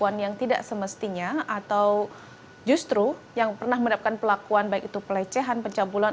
yang tidak semestinya atau justru yang pernah mendapatkan pelakuan baik itu pelecehan pencabulan